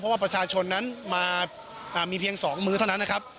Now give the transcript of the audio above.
เพราะว่าประชาชนนั้นมามีเพียง๒มื้อเท่านั้นนะครับ